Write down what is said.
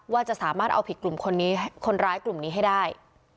ว่าจะสามารถเอาผิดกลุ่มคนร้ายกลุ่มนี้ให้ได้